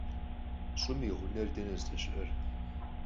ЩӀым и гъунэр дэнэ здэщыӏэр?